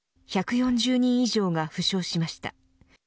１４０人以上が負傷しました。